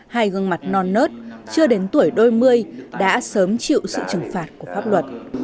hai gương mặt non nớt chưa đến tuổi đôi mươi đã sớm chịu sự trừng phạt của pháp luật